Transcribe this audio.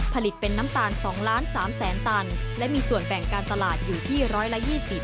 ผลิตเป็นน้ำตาลสองล้านสามแสนตันและมีส่วนแปลงการตลาดอยู่ที่ร้อยละยี่สิบ